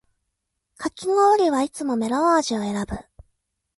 かき氷はいつもメロン味を選ぶ